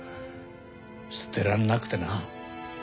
捨てらんなくてな。